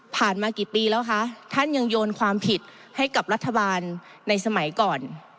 มากี่ปีแล้วคะท่านยังโยนความผิดให้กับรัฐบาลในสมัยก่อน